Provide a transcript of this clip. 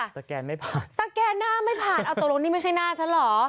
สแกนไม่ผ่านสแกนหน้าไม่ผ่านเอาตกลงนี่ไม่ใช่หน้าฉันเหรอ